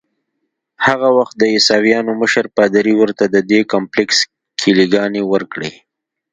هغه وخت د عیسویانو مشر پادري ورته ددې کمپلیکس کیلې ګانې ورکړې.